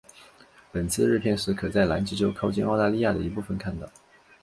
本次日偏食可在南极洲靠近澳大利亚的一部分看到。